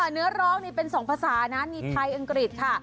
เนื้อร้องนี่เป็น๒ภาษานะมีไทยอังกฤษค่ะ